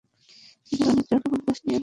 তিনি পানির জগ এবং গ্লাস নিয়ে এলেন।